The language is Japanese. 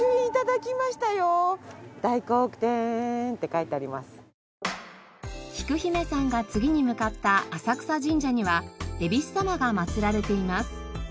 きく姫さんが次に向かった浅草神社には恵比須様が祭られています。